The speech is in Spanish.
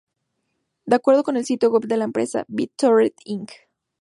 De acuerdo con el sitio web de la empresa, BitTorrent Inc.